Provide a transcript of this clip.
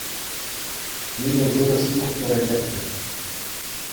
Пире вырӑс тухтӑрӗ лекрӗ.